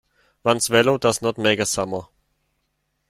One swallow does not make a summer.